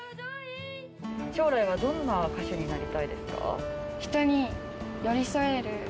将来はどんな歌手になりたいですか？